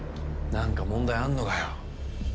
なんか問題あんのかよ？